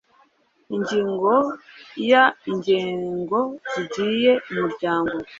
ingingo ya inzego zigize umuryango